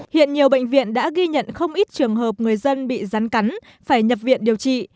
hiện nhiều bệnh viện đã ghi nhận không ít trường hợp người dân bị rắn cắn phải nhập viện điều trị